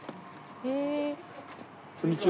こんにちは。